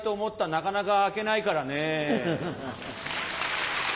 なかなか開けないからね。